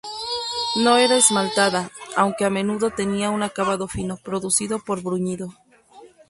No era esmaltada, aunque a menudo tenía un acabado fino, producido por bruñido.